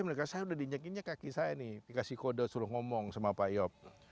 mereka saya udah dinyakinya kaki saya nih dikasih kode suruh ngomong sama pak yop